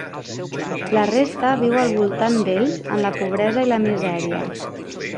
La resta viu al voltant d'ells en la pobresa i la misèria.